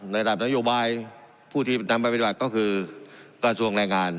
ในระดับนโยบายผู้ที่นำไปบริบัตรก็คือการส่วนแรงงาน